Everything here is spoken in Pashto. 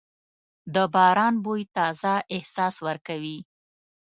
د باران بوی تازه احساس ورکوي.